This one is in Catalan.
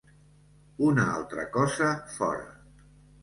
Una altra cosa fóra.